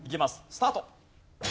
スタート。